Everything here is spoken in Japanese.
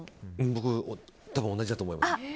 僕、多分同じだと思います。